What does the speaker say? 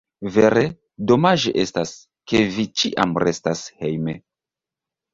Vere, domaĝe estas, ke vi ĉiam restas hejme.